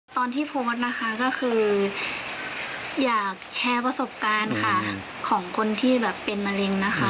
ตอนที่โพสต์นะคะก็คืออยากแชร์ประสบการณ์ค่ะของคนที่แบบเป็นมะเร็งนะคะ